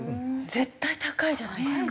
絶対高いじゃないですか。